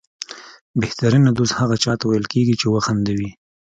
بهترینه دوست هغه چاته ویل کېږي چې وخندوي.